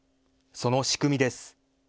その仕組みです。